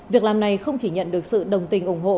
việc làm này không chỉ nhận được sự đồng tình ủng hộ